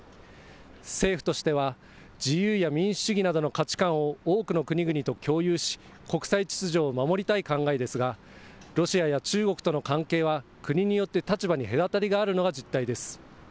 政府としては自由や民主主義などの価値観を多くの国々と共有し、国際秩序を守りたい考えですがロシアや中国との関係は国によって立場に隔たりがあるのが実態です。